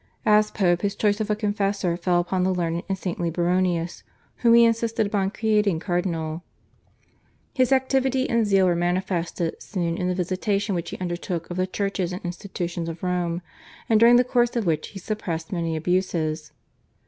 As Pope his choice of a confessor fell upon the learned and saintly Baronius whom he insisted upon creating cardinal. His activity and zeal were manifested soon in the visitation which he undertook of the churches and institutions of Rome, and during the course of which he suppressed many abuses.